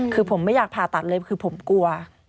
คือผมไม่อยากผ่าตัดเลยคือผมกลัว